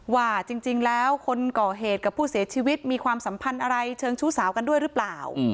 ว่าจริงแล้วคนก่อเหตุกับผู้เสียชีวิตมีความสัมพันธ์อะไรเชิงชู้สาวกันด้วยหรือเปล่า